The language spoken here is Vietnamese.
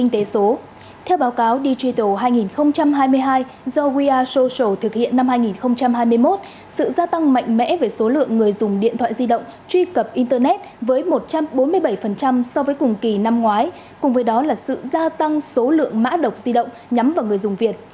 theo báo cáo digital hai nghìn hai mươi hai do wear social thực hiện năm hai nghìn hai mươi một sự gia tăng mạnh mẽ về số lượng người dùng điện thoại di động truy cập internet với một trăm bốn mươi bảy so với cùng kỳ năm ngoái cùng với đó là sự gia tăng số lượng mã độc di động nhắm vào người dùng việt